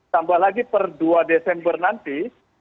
tambah lagi per dua desember nanti